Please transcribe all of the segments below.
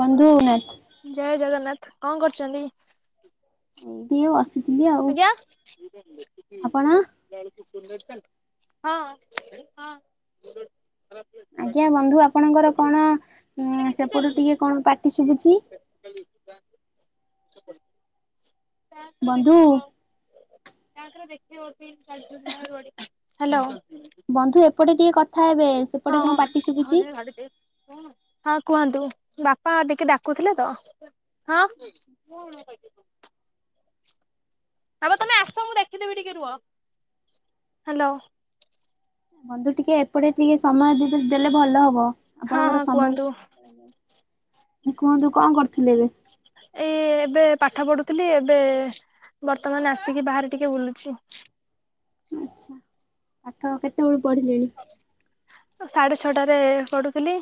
ବନ୍ଧୁ ହେଲ୍ପ। ଜୟ ଜଗନ୍ନାଥ। କଣ କରୁଛନ୍ତି? ଇଏ ବସ ଆଜ୍ଞା। ଆପଣ? [unintelligible] ଆଜ୍ଞା, ବନ୍ଧୁ, ଆପଣଙ୍କର କଣ ମାନେ କେତେ ସେପଟୁ ଚାଲିଲି ଟିକେ କଣ ପାଟି ଶୁଭୁଛି? [unintelligible] ବନ୍ଧୁ [unintelligible] ହ୍ୟାଲୋ। ବନ୍ଧୁ, ଏପଟେ ଟିକେ କଥା ହେବେ। ସେପଟେ ହଁ କଣ ପାଟି ଶୁଭୁଛି? [unintelligible] ହଁ, କୁହନ୍ତୁ। ବାପା-ଆ ଟିକେ ଡାକୁଥିଲେ, ତ। ହଁ। [unintelligible] ବାପା ତମେ ଆସ। ମୁଁ ଦେଖିଦେବି ଟିକେ ରୁହ। ହ୍ୟାଲୋ। ବନ୍ଧୁ, ଟିକେ ଏପଟେ ଟିକେ ସମୟ ଦି-ଦେଲେ ଭଲ ହବ, ହଁ ଆପଣଙ୍କର ହଁ ସମୟ କୁହନ୍ତୁ କୁହନ୍ତୁ, କଅଁ କରୁଥିଲେ ଏବେ? ଏଇ, ଏବେ ପାଠ ପଢୁଥିଲି। ଏବେ ବର୍ତ୍ତମାନ ଆସିକି ବାହାରେ ଟିକେ ବୁଲୁଛି। ଆଚ୍ଛା। ପାଠ କେତେବେଳୁ ପଢିଲେଣି? ସାଢେ ଛଅଟାରେ ପଢୁଥିଲି।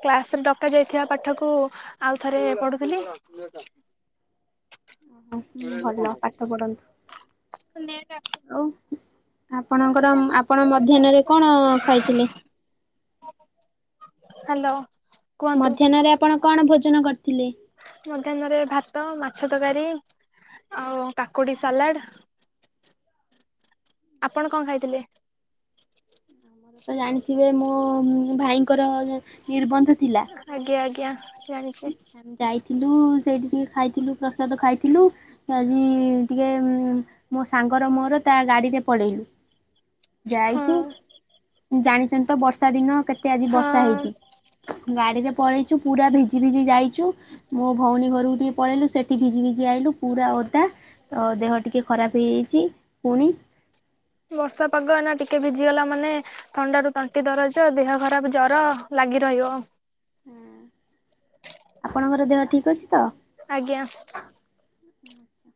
କ୍ଲାସରେ ଡକାଯାଇଥିବା ପାଠ, ଜୁ ଆଉ ଥରେ ପଢୁଥିଲି। ଆଉସବୁ ଭଲ, ଭଲ ପାଠ ପଢନ୍ତୁ। [inaudible] ଆଉ, ଆପଣଙ୍କର-ଆପଣ ହ୍ୟାଲୋ ମଧ୍ୟାହ୍ନରେ କଣ ଖାଇଥିଲେ? ହ୍ୟାଲୋ। ମଧ୍ୟାହ୍ନରେ, ଆପଣ କଣ ଭୋଜନ କରିଥିଲେ? ମଧ୍ୟାହ୍ନରେ ଭାତ, ମାଛ ତରକାରୀ ଆଉ କାକୁଡି ସାଲାଡ। ଆପଣ କଣ ଖାଇଥିଲେ? ଆପଣ ଜାଣିଥିବେ ମୋ ଭାଇଙ୍କର ନିର୍ବନ୍ଧ ଥିଲା। ଆଜ୍ଞା, ଆଜ୍ଞା, ଜାଣିଛି। ଯାଇଥିଲୁ। ସେଇଠିିକେ ଖାଇଥିଲୁ, ପ୍ରସାଦ ଖାଇଥିଲୁ। ଆଜି ଟିକେ ମୋ ସାଙ୍ଗର, ମୋର ତା ଗାଡିରେ ପଳେଇଲୁ। ହଁ ଯାଇଚୁ, ଜାଣିଛନ୍ତି ତ, ବର୍ଷା ଦିନ। କେତେ ଆଜି ବର୍ଷା ହଁ ହେଇଛି? ଗାଡିରେ ପଳେଇଛୁ ପୁରା ଭି ଭିଜି ଭିଜି ଯାଇଛୁ ମୋ ଭଉଣୀ ଘରକୁ ଟିକେ ପଳେଇଲୁ। ସେଠି ଭିଜି ଭିଜି ଆଇଲୁ, ପୁରା ଓଦା ତ, ଦେହ ଟିକେ ଖରାପ ହେଇଯାଇଛି, ପୁଣି ବର୍ଷା ପାଗ, ଏଇନା ଟିକେ ଭିଜିଗଲା ମାନେ ଥଣ୍ଡା ରୁ ତଣ୍ଟି ଦରଜ, ଦେହ ଖରାପ ଜର, ଲାଗି ରହିବ। ହୁଁ। ଆପଣଙ୍କର ଦେହ ଠିକ୍ ଅଛି ତ? ଆଜ୍ଞା। ଉଁ, ହୁଁ।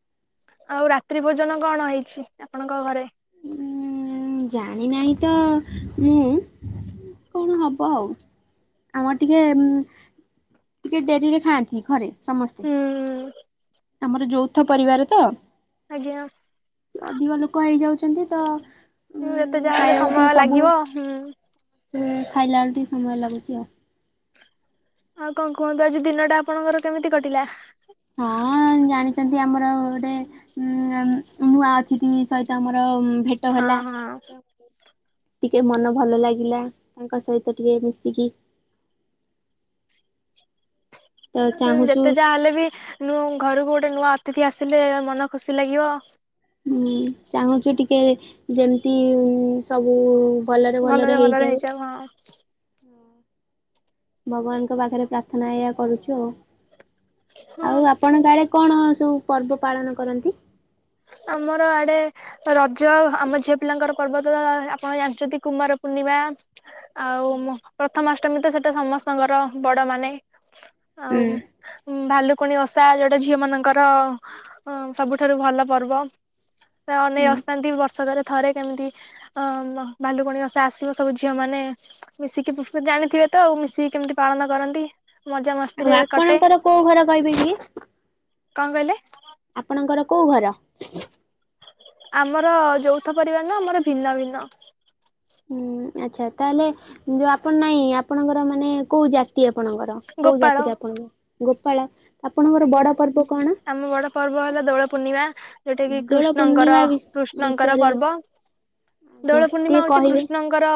ଆଉ ରାତ୍ରି ଭୋଜନ କଣ ହେଇଛି, ଆପଣଙ୍କ ଘରେ? ଉଁ-ଉଁ ଜାଣି ନାହିଁ ତ, ମୁଁ! କଣ ହବ ଆଉ? ଆମର ଟିକେ ଉମ୍ ଟିକେ ଡେରିରେ ଖାଆନ୍ତି, ଘରେ ସମସ୍ତେ। ହୁଁଁ, ଉଁ ଯ-ଯୌଥ ପରିବାର ତ? ଆଜ୍ଞା। ଅଧିକ ଲୋକ ହେଇଯାଉଛନ୍ତି ତ, ହୁଁ ଯେତେ ଉଁ-ଉ ଯାହାହେଲେ ଖାଇବା କୁ ସମୟ ଟିକେ ସବୁ ଲାଗିବ ହୁଁ। ଏ ଖାଇଲା ଅଳୁ ଟିକେ ସମୟ ଲାଗୁଚି, ଆଉ। ଆଉ କଣ କୁହନ୍ତୁ? ଆଜି ଦିନଟା ଆପଣଙ୍କର କେମିତି କଟିଲା? ହଁ, ଜାଣିଛନ୍ତି ଆମର ଗୋଟେ ଉଁ-ଅମ୍ ନୂଆ ଅତିଥି ସହିତ ଆମର ଭେଟ ହଁ ହେଲା। ହଁ ତ! ଟିକେ ମନ ଭଲ ଲାଗିଲା, ତାଙ୍କ ସହିତ ଟିକେ ମିଶିକି। ତ ହୁଁ, ଚାହୁଁଛୁ ଯେତେ ଯାହା ହେଲେ ବି, ନୁଁ ଘରକୁ ଗୋଟେ ନୂଆ ଅତିଥି ଆସିଲେ ମନ ଖୁସି ଲାଗିବ। ହୁଁ, ଚାହୁଁଛୁ ଟିକେ ଯେମିତି-ଇ ସବୁ-ଉ ଭଲରେ ଭଲରେ ହେଇଯାଏ। ଭଗବାନଙ୍କ ପାଖରେ ପ୍ରାର୍ଥନା ଏଇଆ କରୁଛୁ, ଆଉ। ହଁ ଆଉ ଆପଣଙ୍କ ଆଡେ କଣ ସବୁ ପର୍ବ ପାଳନ କରନ୍ତି? ଆମର ଆଡେ ରଜ ଆମ ଝିଅ ପିଲାଙ୍କର ପର୍ବ, ତ-ଅ-ଅ-ଆପଣ ଜାଣିଚନ୍ତି, କୁମାର ପୂର୍ଣ୍ଣିମା। ଆଉ ମୁଁ ପ୍ରଥମାଷ୍ଟମୀ ତ, ସେଟା ସମସ୍ତଙ୍କର, ବଡମାନେ ହୁଁ। ଭାଲୁକୁଣି ଓଷା, ଯୋଉଟା ଝିଅ ମାନଙ୍କର-ଅଁ ସବୁଠାରୁ ଭଲ ପର୍ବ। ସେ ଅନେଇ ହୁଁ ବସିଥାନ୍ତି, ବର୍ଷକରେ ଥରେ କେମିତି ଅ, ମ ଭାଲୁକୁଣି ଓଷା ଆସିବ, ସବୁ ଝିଅ ମାନେ ମିଶିକି, [unintelligible] ଜାଣିଥିବେ ତ, ଆଉ ମିଶିକି କେମିତି ପାଳନ କରନ୍ତି। ମଜା ମସ୍ ଆଉ ଆପଣଙ୍କର କୋଉ ଘର, କହିବେ କି? କଣ କହିଲେ? ଆପଣଙ୍କର କୋଉ ଘର? ଆମର ଯୌଥ ପରିବାର ନୁହଁ, ଆମର ଭିନ୍ନ ଭିନ୍ନ। ହୁଁ, ଆଚ୍ଛା। ତାହେଲେ, ଯୋଉ ଆପଣ ନାଇଁ ଆପଣଙ୍କର ମାନେ କୋଉ ଜାତ୍ ତି ଆପଣଙ୍କର, କୋଉ ଗୋପାଳ ଜାତିରେ ଆପଣଙ୍କ? ଗୋପାଳ! ଆପଣଙ୍କର ଆଜ୍ଞା, ବଡ ପର୍ବ କଣ? ଆମ ବଡ ପର୍ବ ହେଲା ଦୋଳ ପୂର୍ଣ୍ଣିମା। ଯୋଉଟା କିି ଦୋଳ କୃଷ୍ଣଙ୍କର, ପୂର୍ଣ୍ଣିମା ବିଷ୍ କୃଷ୍ଣଙ୍କର ବିଷୟରେ ପର୍ବ। ଆଜ୍ଞା ଦୋଳ ପୂର୍ଣ୍ଣିମା ଟିକେ ହଉଛି କହିବେ କୃଷ୍ଣଙ୍କ୍ ଙ୍କର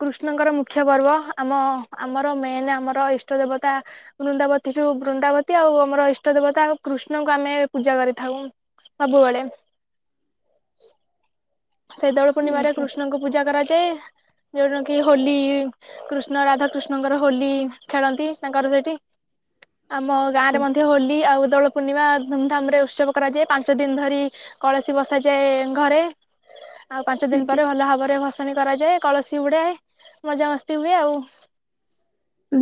କୃଷ୍ଣଙ୍କର ମୁଖ୍ୟ ପର୍ବ। ଆମ-ଆମର ମେନ୍, ଆମର ଇଷ୍ଟ ଦେବତା। ବୃନ୍ଦାବତୀ ଠୁ, ବୃନ୍ଦାବତୀ ଆଉ ଆମର ଇଷ୍ଟ ଦେବତା କୃଷ୍ଣଙ୍କୁ ଆମେ ପୂଜା କରିଥାଉଁ ସବୁବେଳେ। ସେଇ ଦୋଳ ପୂର୍ଣ୍ଣିମାରେ ଆଜ୍ଞା କୃଷ୍ଣଙ୍କୁ ପୂଜା କରାଯାଏ। ଯଉ ଦିନ କିି ହୋଲି କୃଷ୍ଣ ରାଧାକୃଷ୍ଣଙ୍କର ହୋଲି ଖେଳନ୍ତି ତାଙ୍କର ସେଇଠି ଆମ ଗାଁ ରେ ଆଜ୍ଞା। ମଧ୍ୟ ହୋଲି ଆଉ ଦୋଳ ପୂର୍ଣ୍ଣିମା ଧୁମଧାମ ରେ ଉତ୍ସବ କରାଯାଏ ପାଞ୍ଚ ଦିନ ଧରି କଳସୀ ବସାଯାଏ ଘରେ। ଆଉ ପାଞ୍ଚ ଦିନ ଆଜ୍ଞା। ପରେ ଭଲ ଭାବରେ ଭସାଣି କରାଯାଏ କଳସୀ ଵୁଡାଏ ମଜାମସ୍ତି ହୁଏ ଆଉ।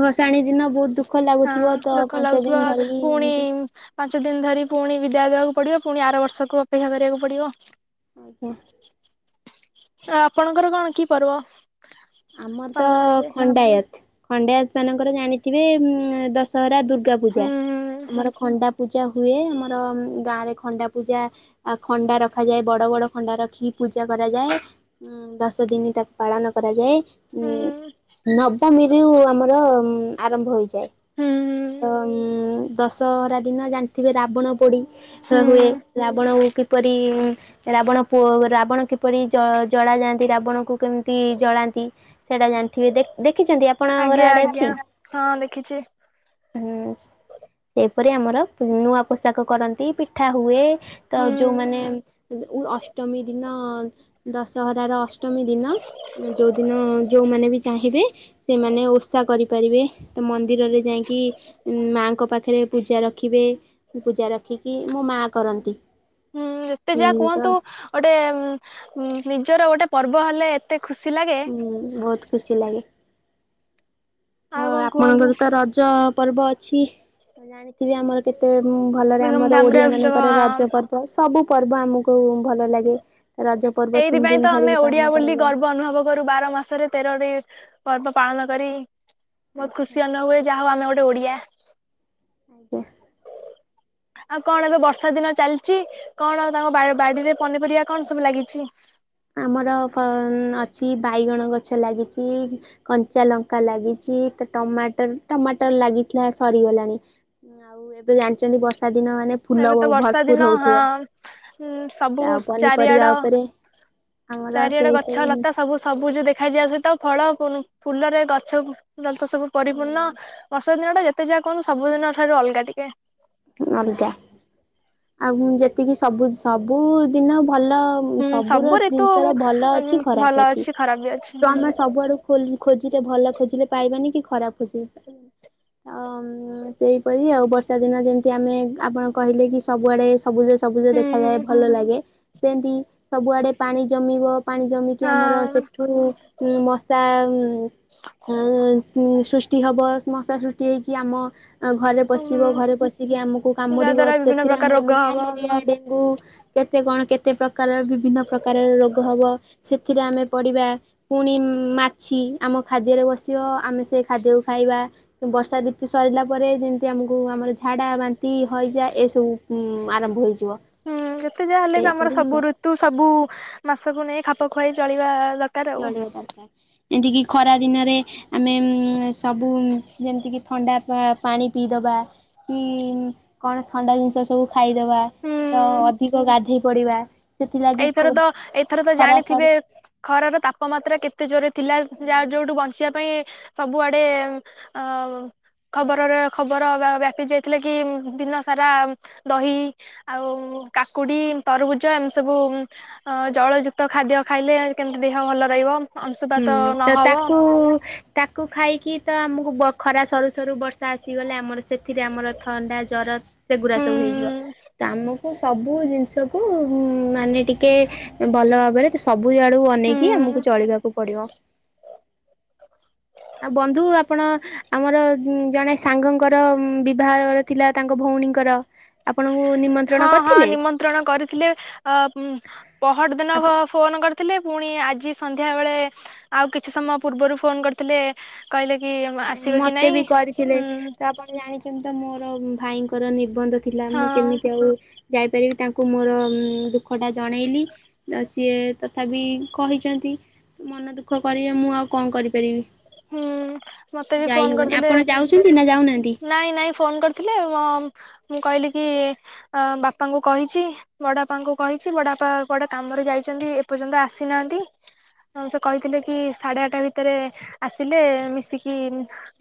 ଭସାଣି ଦିନ ବହୁତ ଦୁଃଖ ହଁ ଲାଗୁଥିବ ତ ଦୁଃଖ ପାଞ୍ଚ ଦିନ ଲାଗୁଥିବ ଧରିକି ପୁଣି ଯେମିତି ପାଞ୍ଚ ଦିନ୍ ଧରି ପୁଣି ବିଦାୟ ଦେବାକୁ ପଡିବ ପୁଣି ଆର ବର୍ଷକୁ ଅପେକ୍ଷା କରିବାକୁ ପଡିବ। ଆଜ୍ଞା। ତ ଆପଣଙ୍କର କଣ କି ପର୍ବ? ଆମର ତ ପାଳନ କରାଯାଏ ଖଣ୍ଡାୟତ ଖଣ୍ଡାୟତ ମାନଙ୍କର ଜାଣିଥିବେ ଉମ୍ ଦଶହରା ଦୂର ଦୁର୍ଗା ପୂଜା ହୁଁ ଆମର ଖଣ୍ଡା ପୂଜା ହୁଏ ଆମର ଗାଁ ରେ ଖଣ୍ଡା ପୂଜା ଆ ଖଣ୍ଡା ରଖାଯାଏ ବଡ ବଡ ଖଣ୍ଡା ରଖି କି ପୂଜା କରାଯାଏ। ଉଁ ଦଶ ଦିନି ତାକୁ ପାଳନ କରାଯାଏ। ଉଁ ହୁଁ ନବମୀରୁ ଆମର ଆରମ୍ଭ ହୋଇଛି ହୁଁ ତ ଉଁ ଦଶହରା ଦିନ ଜାଣିଥିବେ ରାବଣ ପୋଡି ତ ହୁଏ ହୁଁ ରାବଣ କିପରି ରାବଣ ପୁଅ ରାବଣ କିପରି ଜ ଜଳା ଯାଆନ୍ତି ରାବଣଙ୍କୁ କେମିତି ଜଳାନ୍ତି। ସେଇଟା ଜାଣିଥିବେ ଦେ ଦେଖିଛନ୍ତି ଆପଣଙ୍କ ଘର ଆଜ୍ଞା ଆଡେ ଆଜ୍ଞା ଅଛି। ହଁ ଦେଖିଛି ହୁଁ ସେଇପରି ଆମର ନୂଆ ପୋଷାକ କରନ୍ତି ପିଠା ହୁଏ। ତ ହୁଁ ଯୋଉମାନେ ଉ ଉ ଅଷ୍ଟମୀ ଦିନ ଅଁ ଦଶହରାର ଅଷ୍ଟମୀ ଦିନ ଯଉ ଦିନ ଯଉଁମାନେ ବି ଚାହିଁବେ ସେମାନେ ଓଷା କରିପାରିବେ। ତ ମନ୍ଦିରରେ ଯାଇଁକି ମାଙ୍କ ପାଖରେ ପୂଜା ରଖିବେ ପୂଜା ରଖିକି ମୋ ମା କରନ୍ତି। ହୁଁ ଏତେ ଯା ତ କୁହନ୍ତୁ ଗୋଟେ ଉଁ ନିଜର ଗୋଟେ ପର୍ବ ହେଲେ ଏତେ ଖୁସି ଲାଗେ। ଉଁ ବହୁତ। ଖୁସି ଲାଗେ। ହଁ ଆଉ କଣ କୁହନ୍ତୁ ଆପଣଙ୍କର ତ ରଜ ପର୍ବ ଅଛି ମୁଁ ଜାଣି ଥିବେ ଆମର କେତେ ଉମ୍ ଭଲରେ ଆମର ଧୁମଧାମ ରେ ଓଡିଆ ଉତ୍ସବ ମାନଙ୍କର ରଜ ପ ର୍ବ ସବୁ ପର୍ବ ଆମକୁ ଭଲ ଲାଗେ। ରଜ ପର୍ବ ତିନି ଏଇଥିପାଇଁ ଦିନ ତ ଆମେ ଧରିକି ପାଳନ ଓଡିଆ ବୋଲି କରାଯାଏ। ଗର୍ବ ଅନୁଭବ କରୁ ବାର ମାସରେ ତେରଟି ପର୍ବ ପାଳନ କରି ବହୁତ ଆଚ୍ଛା। ଖୁସି ଅନୁଭ ହୁଏ ଯାହା ହଉ ଆମେ ଗୋଟେ ଓଡିଆ। ଆଜ୍ଞା। ଆଉ କଣ ଏବେ ବର୍ଷା ଦିନ ଚାଲିଛି କଣ ଆଉ ତାଙ୍କ ବା ବାଡିରେ ପନିପରିବା କଣ ସବୁ ଲାଗିଛି? ଆମର କଁ ଅଛି ବାଇଗଣ ଗଛ ଲାଗିଛି। କଞ୍ଚା ଲଙ୍କା ଲାଗିଛି ତ ଟମାଟର ଟମାଟର ଲାଗିଥିଲା ସରିଗଲାଣି। ଆଉ ଏବେ ଜାଣିଛନ୍ତି ବର୍ଷା ଦିନ ମାନେ ଫୁଲ ଏବେ ତ ବର୍ଷା ଦିନ ଭର୍ପୁର ହଁ ହଉଥିବ ସବୁ ଆଉ ପନିପରିବା ଚାରିଆଡ ଉପରେ ଆମର ଚାରିଆଡେ ସେଇ ସବୁ ଗଛ ଲତା ଜିନିଷ ସବୁ ସବୁଜ ଦେଖାଯିବା ସହିତ ଫଳ ଫୁ ଫୁଲରେ ଗଛର ତ ସବୁ ପରିପୂର୍ଣ୍ଣ। ହୁଁ ବର୍ଷ ଦିନଟା ଯେତେ ଯାହା କୁହନ୍ତୁ ସବୁ ଦିନ ଠାରୁ ଅଲଗା ଟିକେ। ଅଲଗା ଆଉ ଯେତିକି ସବୁ ସବୁଦିନ ଭଲ ହୁଁ ସବୁର ସବୁ ଋତୁ ଜିନିଷର ଭଲ ଅଛି ଭଲ ଖରାପ ଅଛି ଖରାପ ବି ଅଛି ତ ହୁଁ ଆମେ ସବୁଆଡକୁ ଖୋଲି ଖୋଜିଲେ ଭଲ ଖୋଜିଲେ ପାଇବାନି କି ଖରାପ ଖୋଜିବେ ପାଇ ଅମ୍ ସେଇପରି ଆଉ ବର୍ଷା ଦିନ ଯେମ୍ତି ଆମେ ଆପଣ କହିଲେ କି ସବୁଆଡେ ସବୁଜ ସବୁଜ ଦେଖାଯାଏ ହୁଁ ଭଲ ଲାଗେ। ସେମିତି ସବୁଆଡେ ପାଣି ଜମିବ ପାଣି ଜମିକି ଆମର ହଁ ସେଠୁ ମଶା ଅ ସୃଷ୍ଟି ହବ ମଶା ସୃଷ୍ଟି ହେଇକି ଆମ ଘରେ ପଶିବ ହୁଁ ଘରେ ପଶିକି ଆମକୁ ଯାହା କାମୁଡିବ ଦ୍ଵାରା ବିଭିନ୍ନ ସେଥିରେ ପ୍ରକାର ଆମର ରୋଗ ହବ ମ୍ୟାଲେରିଆ ଡେ ଙ୍ଗୁ କେତେ କଣ କେତେ ପ୍ରକାର ବିଭିନ୍ନ ପ୍ରକାରର ରୋଗ ହବ। ସେଥିରେ ଆମେ ପଡିବା। ପୁଣି ମାଛି ଆମ ଖାଦ୍ୟରେ ବସିବ ଆମେ ସେ ଖାଦ୍ୟକୁ ଖାଇବା। ବର୍ଷା ଋତୁ ସରିଲା ପରେ ଯେମିତି ଆମକୁ ଆମର ଝାଡ଼ା ବାନ୍ତି ହଇଯା ଏସବୁ ଆରମ୍ଭ ହୋଇଯିବ। ହୁଁ ଯେତେ ଯାହା ହେଲେ ବି ଆମର ସେହିପରି ସବୁ ଜିନିଷ ଋତୁ ସବୁ ମାସକୁ ନେଇ ଖାପ ଖୁଆଇ ଚଳିବା ଦର ଚଳେଇଦବା। ଏମତି କିି ଖରା ଦିନରେ ଆମେ ସବୁ ଯେମିତିକି ଥଣ୍ଡା ପା ପାଣି ପିଇଦବା। କି କଣ ଥଣ୍ଡା ଜିନିଷ ସବୁ ଖାଇଦେବା ତ ହୁଁ ଅଧିକ ଗାଧେଇ ପଡ଼ିବା। ଏଇଥର ତ ଏଇଥର ତ ଜାଣିଥିବେ ସରୁ ଖରାର ତାପମାତ୍ରା କେତେ ଜୋରରେ ଥିଲା ଯା ଯୋଉଠୁ ବଞ୍ଚିବା ପାଇଁ ସବୁଆଡେ ଆଁ ଖବରରେ ଖବର ବା ବ୍ୟାପି ଯାଇଥିଲା କି ଦିନ ସାରା ଦହି ଆଉ କାକୁଡି ତରଭୁଜ ଏମିତି ସବୁ ଅ ଜଳ ଯୁକ୍ତ ଖାଦ୍ୟ ଖାଇଲେ କେମିତି ଦେହ ଭଲ ରହିବ। ଅଂଶୁପାତ ହୁଁ ତ ନହବ ତାକୁ ତାକୁ ଖାଇକି ତ ଆମକୁ ବ ଖରା ସରୁ ସରୁ ବର୍ଷା ଆସିଗଲେ ଆମର ସେ ସେଥିରେ ଆମର ଥଣ୍ଡା ଜର ସେଗୁଡା ହୁଁ ସବୁ ହେଇଯିବ। ତ ଆମକୁ ସବୁ ଜିନିଷକୁ ମାନେ ଟିକେ ଭଲ ଭାବରେ ସବୁଆଡୁ ଅନେଇକି ହୁଁ। ଆମକୁ ଚଳିବାକୁ ପଡିବ। ଆଉ ବନ୍ଧୁ ଆପଣ ଆମର ଜଣେ ସାଙ୍ଗଙ୍କର ବିଭାଘର ଥିଲା ତାଙ୍କ ଭଉଣୀଙ୍କର। ଆପଣଙ୍କୁ ନିମନ୍ତ ହଁ ହଁ ନିମନ୍ତ୍ରଣ କରିଥିଲେ ଅ ପହରଦିନ ଆପ ଗ୍ ଫୋନ କରିଥିଲେ ପୁଣି ଆଜି ସନ୍ଧ୍ୟାବେଳେ ଆଉ କିଛି ସମୟ ପୂର୍ବରୁ ଫୋନ କରିଥିଲେ କହିଲେ କି ଆସିବ କି ମତେ ନାଇଁ ବି କରିଥିଲେ। ହୁଁ। ତ ଆପଣ ଜାଣିଛନ୍ତି ତ ମୋର ଭାଇଙ୍କର ନିର୍ବନ୍ଧ ଥିଲା ହଁ ମୁଁ କେମିତି ଆଉ ଯାଇପାରିବି ତାଙ୍କୁ ମୋର ଦୁଃଖଟା ଜଣେଇଲି। ସିଏ ତଥାପି କହିଛନ୍ତି ମନ ଗାଦୁଃଖ କରେ ମୁଁ ଆଉ କଣ କରିପାରିବି। ହୁଁ ମତେ ବି ଯାଇ ଫୋନ ହବନି କରିଥିଲେ ଆପଣ ଯାଉଛନ୍ତି ନା ଯାଉନାହାନ୍ତି? ନାଇଁ ନାଇଁ ଫୋନ କରିଥିଲେ ମୁଁ କହିଲି କି ସେ ବାପାଙ୍କୁ କହିଛି ବଡବାପାଙ୍କୁ କହିଛି ବଡବାପା କୁଆଡେ଼ କାମରେ ଯାଇଛନ୍ତି ଏପର୍ଯ୍ୟନ୍ତ ଆସିନାହାନ୍ତି। ହ ସେ କହିଥିଲେ କି ସାଢେ ଆଠାଟା ଭିତରେ ଆସିଲେ ମିଶିକି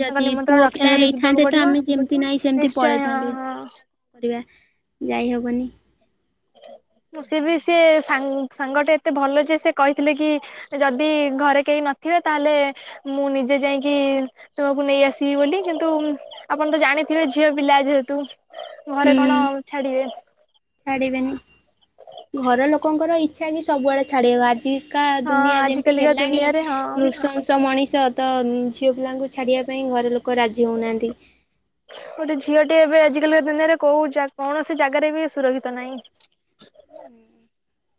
ଯଦି ନିମନ୍ତ୍ରଣ ପୁଅ ପିଲା ରକ୍ଷା କରି ହେଇଥାନ୍ତେ ଯିବାକୁ ତ ପଡିବ ଆମେ ଯେମିତି ନାହିଁ ସେମିତି ନିଶ୍ଚୟ ହଁ ପଳେଇଥାନ୍ତେ। ଝିଅ ହଁ ପିଲା କରିବା ଯାଇ ହେବନି। ସିଏ ବି ସେ ସା ସାଙ୍ଗଟେ ଏତେ ଭଲ ଯେ ସେ କହିଥିଲେ କି ଯଦି ଘରେ କେହି ନଥିବେ ତାହେଲେ ମୁଁ ନିଜେ ଯାଇକି ତୁମକୁ ନେଇ ଆସିବି ବୋଲି କିନ୍ତୁ ଆପଣ ତ ଜାଣିଥିବେ ଝିଅ ପିଲା ଯେହେତୁ ଘରେ କଣ ହୁଁ ଛାଡିବେ। ଛାଡିବେନି ଘର ଲୋକଙ୍କର ଇଚ୍ଛା କି ସବୁଆଡେ ଛାଡିଆକୁ ଆଜିକା ହଁ ଦୁନିଆ ଯେମିତି ଆଜିକାଲିକା ହେଲାଣି ଦୁନିଆରେ ହଁ ନୃଶଂସ ମଣିଷ ତ ଝିଅ ପିଲାଙ୍କୁ ଛାଡ଼ିବା ପାଇଁ ଘର ଲୋକ ରାଜି ହୋଉନାହାନ୍ତି। ଗୋଟେ ଝିଅଟି ଏବେ ଆଜିକାଲି ଦୁନିଆରେ କୋଉ କୌଣସି ଜାଗାରେ ବି ସୁରକ୍ଷିତ ନାହିଁ।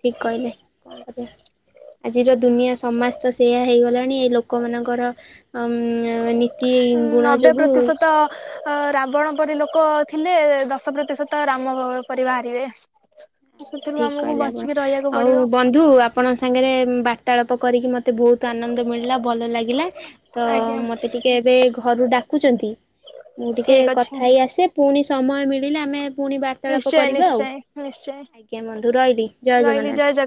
ଠିକ୍ କହିଲେ କଣ କରିଆ। ଆଜିର ଦୁନିଆ ସମାଜ ତ ସେଇୟା ହେଇଗଲାଣି ଏଇ ଲୋକମାନଙ୍କର ଉଁ ନି ଉଁ ନବେ ପ୍ରତିଶତ। ଅ ରାବଣ ପରି ଲୋକ ଥିଲେ ଦଶ ପ୍ରତିଶତ ରାମ ପରି ବାହାରିବେ। ସେଥିରୁ ଠିକ୍ ଆମକୁ କହିଲେ ଆପଣ ବଞ୍ଚିକି ରହିବାକୁ ଆଉ ପଡିବ ବନ୍ ଧୁ ଆପଣଙ୍କ ସାଙ୍ଗରେ ବାର୍ତ୍ତାଳାପ କରିକି ମତେ ବହୁତ ଆନନ୍ଦ ମିଳିଲା ଭଲ ଲାଗିଲା। ତ ଆଜ୍ଞା। ମତେ ଟିକେ ଏବେ ଘରୁ ଡାକୁଛନ୍ତି ମୁଁ ଟିକେ ଠିକ୍ ଅଛି କଥା ହେଇ ଆସେ। ପୁଣି ସମୟ ମିଳିଲେ ଆମେ ପୁଣି ବାର୍ତ୍ତାଳାପ କରିବା ଆଉ। ନିଶ୍ଚଏଁ। ଆଜ୍ଞା ବନ୍ଧୁ ରହିଲି ଜୟ ଜଗନ୍ନାଥ।